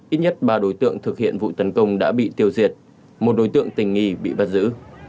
ít nhất ba đối tượng thực hiện vụ tấn công đã bị tiêu diệt một đối tượng tình nghi bị bắt giữ